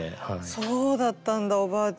そうだったんだおばあちゃん。